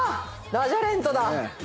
ダジャレントだ。